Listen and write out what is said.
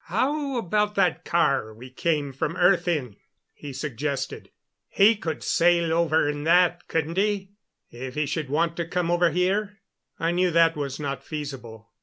"How about that car we came from earth in?" he suggested. "He could sail over in that, couldn't he if he should want to come over here?" I knew that was not feasible.